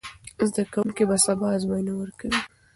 زده کوونکي به سبا ازموینه ورکوي.